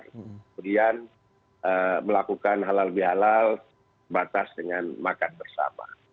kemudian melakukan halal bihalal batas dengan makan bersama